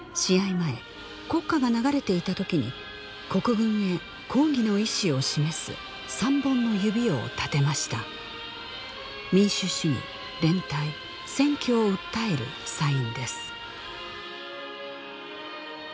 前国歌が流れていたときに国軍へ抗議の意思を示す３本の指を立てました「民主主義連帯選挙」を訴えるサインです